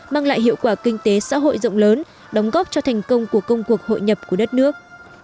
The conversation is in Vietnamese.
mang lại hiệu quả kinh tế xã hội rộng lớn đóng góp cho thành công của công cuộc hội nhập của đất nước